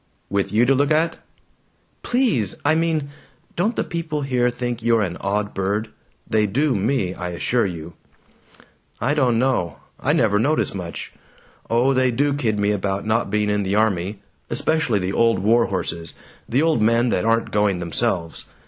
"With you to look at?" "Please! I mean: Don't the people here think you're an odd bird? (They do me, I assure you!)" "I don't know. I never notice much. Oh, they do kid me about not being in the army especially the old warhorses, the old men that aren't going themselves.